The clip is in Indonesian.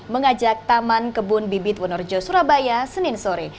mengajak taman kebun bibit wonorejo surabaya senin sore